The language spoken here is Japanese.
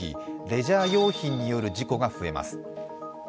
レジャー用品による事故が増えます。